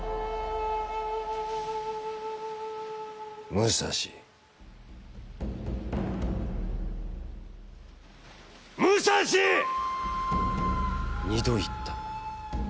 「『武蔵』『』『武蔵っ！』二度いった。